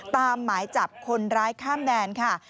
หมายจับคนร้ายข้ามแดนค่ะ